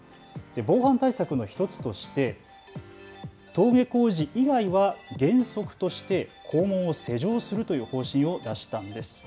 防犯対策の１つとして登下校時以外は原則として校門を施錠するという方針を出したんです。